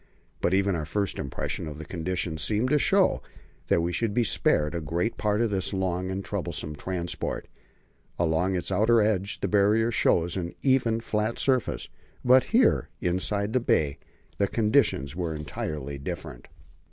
But even our first impression of the conditions seemed to show that we should be spared a great part of this long and troublesome transport. Along its outer edge the Barrier shows an even, flat surface; but here, inside the bay, the conditions were entirely different.